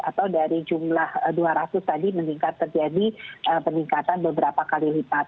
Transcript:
atau dari jumlah dua ratus tadi meningkat terjadi peningkatan beberapa kali lipat